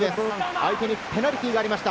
相手にペナルティーがありました。